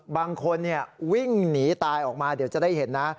บางคนวิ่งหนีตายออกมาเดี๋ยวจะได้เห็นนะ